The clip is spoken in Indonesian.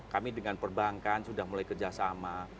kami dengan perbankan sudah mulai kerjasama